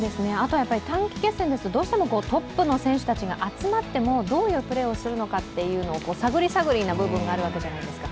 短期決戦ですと、どうしてもトップの選手たちが集まってもどういうプレーをするのかというのを探り探りな部分があるじゃないですか。